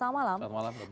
selamat malam mbak putri